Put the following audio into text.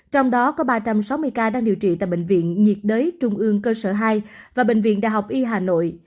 trong đó có ba trăm sáu mươi ca đang điều trị tại bệnh viện nhiệt đới trung ương cơ sở hai và bệnh viện đại học y hà nội